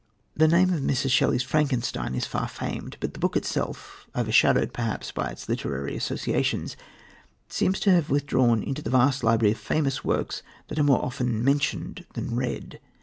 The name of Mrs. Shelley's Frankenstein is far famed; but the book itself, overshadowed perhaps by its literary associations, seems to have withdrawn into the vast library of famous works that are more often mentioned than read.